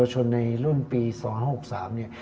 หรือลุ่นปี๒๕๖๓เนี่ย